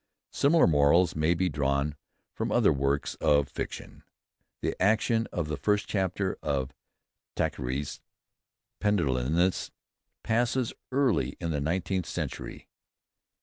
Similar morals may be drawn from other works of fiction. The action of the first chapters of Thackeray's "Pendennis" passes early in the nineteenth century.